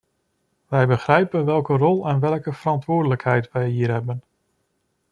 Wij begrijpen welke rol en welke verantwoordelijkheid wij hier hebben.